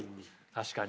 確かに。